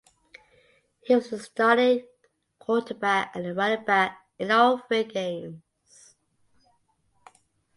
He was the starting quarterback and running back in all three games.